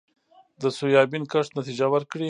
د سویابین کښت نتیجه ورکړې